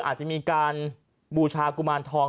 อาจจะมีการบูชากุมารทอง